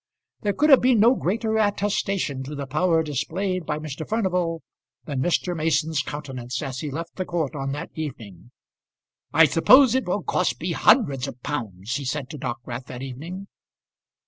There could have been no greater attestation to the power displayed by Mr. Furnival than Mr. Mason's countenance as he left the court on that evening. "I suppose it will cost me hundreds of pounds," he said to Dockwrath that evening.